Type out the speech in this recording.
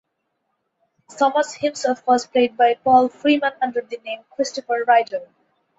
Thomas himself was played by Paul Freeman under the name "Christopher Ryder".